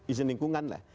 izin lingkungan lah